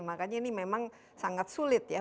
makanya ini memang sangat sulit ya